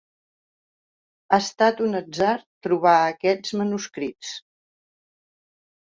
Ha estat un atzar trobar aquests manuscrits.